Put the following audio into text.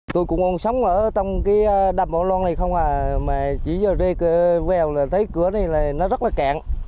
tôi cũng còn sống ở trong cái đầm ô loan này không à mà chỉ giờ rê về thấy cửa này nó rất là kẹn